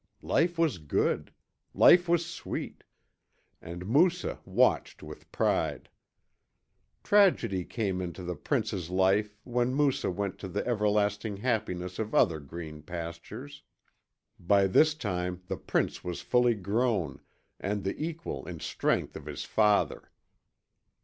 Life was good. Life was sweet. And Moussa watched with pride. Tragedy came into the prince's life when Moussa went to the everlasting happiness of other green pastures. By this time the prince was fully grown and the equal in strength of his father.